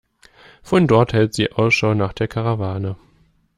Von dort hält sie Ausschau nach der Karawane.